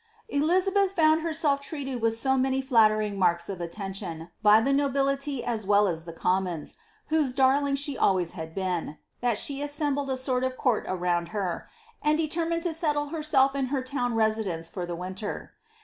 Elizabeth found herself treated with so many flattering marks of at tention, by the nobility as well as the commons, whose darling she al ways had been, that she assembled a sort of court around her, and determined to settle herself in her town residence for the winter.